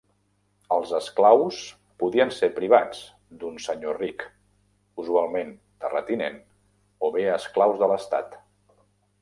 Els esclaus podien ser privats, d'un senyor ric, usualment terratinent, o bé esclaus de l'estat.